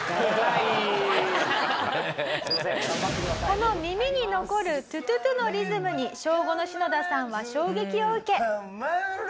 この耳に残るトゥトゥトゥのリズムに小５のシノダさんは衝撃を受け。